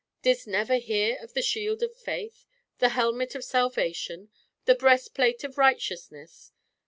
Didst never hear of the shield of faith, and helmet of salvation, and breastplate of righteousness?